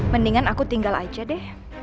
mendingan aku tinggal aja deh